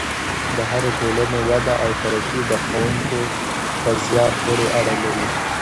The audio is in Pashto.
د هرې ټولنې وده او ترقي د ښوونکو په زیار پورې اړه لري.